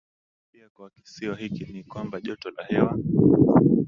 Msimamo wa kijiografia wa kisiwa hiki ni kwamba joto la hewa